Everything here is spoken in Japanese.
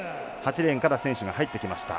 ８レーンから選手が入ってきました。